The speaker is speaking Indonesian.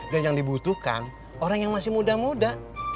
dan yang dibutuhkan orang yang masih muda muda